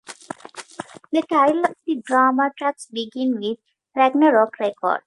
The title of the drama tracks begin with "Ragnarok Record".